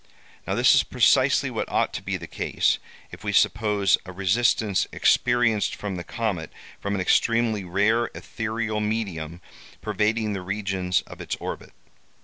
Now, this is precisely what ought to be the case, if we suppose a resistance experienced from the comet from an extremely rare ethereal medium pervading the regions of its orbit.